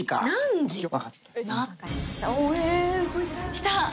きた！